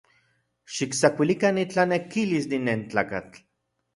Xiktsakuilikan itanekilis nin nentlakatl.